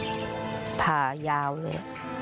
ป้าก็ทำของคุณป้าได้ยังไงสู้ชีวิตขนาดไหนติดตามกัน